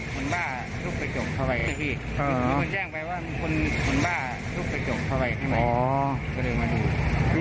คนบ้าลูกกระจกเข้าไปพี่คนนึงแจ้งไปว่าคนบ้าลูกกระจกเข้าไปให้ไหม